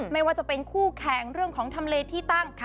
ไม่ว่าจะเป็นคู่แข่งเรื่องของทำเลที่ตั้ง